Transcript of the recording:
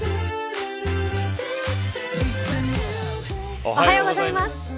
おはようございます。